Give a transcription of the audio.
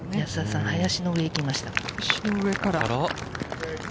安田さんは林の上、行きました。